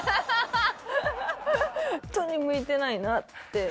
本当に向いてないなって。